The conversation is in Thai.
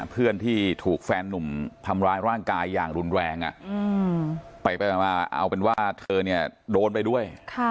เพื่อนที่ถูกแฟนหนุ่มทำร้ายร่างกายอย่างรุนแรงไปมาเอาเป็นว่าเธอเนี่ยโดนไปด้วย